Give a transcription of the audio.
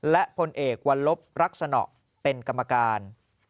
และพลเอกวัลลบรักษณะเป็นกรรมการ